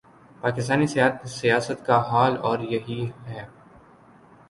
پاکستانی سیاست کا حال اور یہی ہے۔